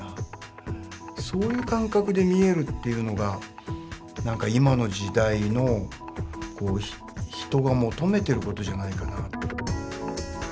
そういう感覚で見えるというのが何か今の時代の人が求めてることじゃないかな。